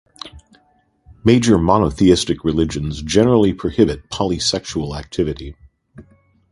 Major monotheistic religions generally prohibit polysexual activity.